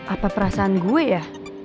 apa perasaan gue ya